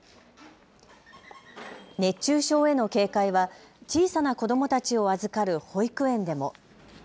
熱中症への警戒は小さな子どもたちを預かる保育園でも。